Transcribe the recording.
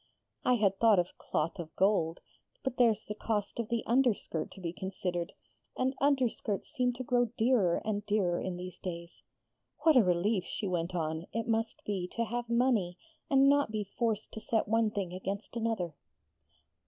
'I had thought of cloth of gold, but there's the cost of the underskirt to be considered; and underskirts seem to grow dearer and dearer in these days. What a relief,' she went on, 'it must be to have money and not be forced to set one thing against another!'